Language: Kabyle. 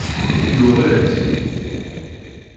Yuɣ-itt.